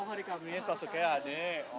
oh hari kamis maksudnya